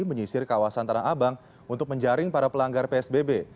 menyisir kawasan tanah abang untuk menjaring para pelanggar psbb